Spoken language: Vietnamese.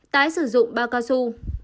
tái sử dụng bao cao su